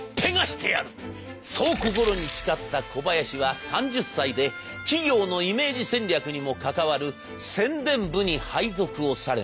そう心に誓った小林は３０歳で企業のイメージ戦略にも関わる宣伝部に配属をされます。